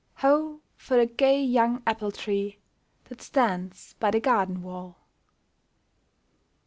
Ho ! for the gay young apple tree That stands by the garden wall